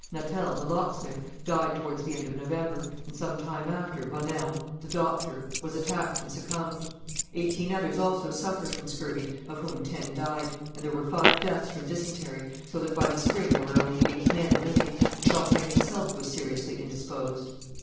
Natel, the locksmith, died towards the end of November, and some time after Bonnerme, the doctor, was attacked and succumbed. Eighteen others also suffered from scurvy of whom ten died, and there were five deaths from dysentery, so that by the spring there were only eight men living, and Champlain himself was seriously indisposed.